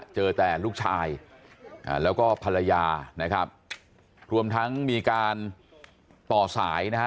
เจอแต่ลูกชายแล้วก็ภรรยานะครับรวมทั้งมีการต่อสายนะฮะ